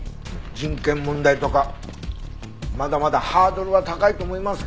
人権問題とかまだまだハードルは高いと思いますけどね。